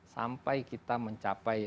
sampai kita mencapai